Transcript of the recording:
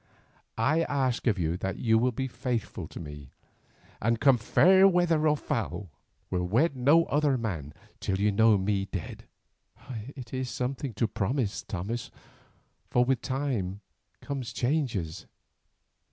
I ask of you that you will be faithful to me, and come fair weather or foul, will wed no other man till you know me dead." "It is something to promise, Thomas, for with time come changes.